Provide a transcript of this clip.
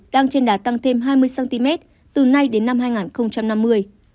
đang trên đá tăng thêm hai mươi cm từ nay đến năm hai nghìn năm mươi